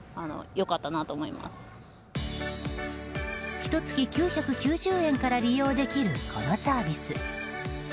ひと月９９０円から利用できるこのサービス。